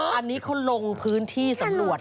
โอ้ยยยยยยอันนี้เขาลงพื้นที่สนรวจ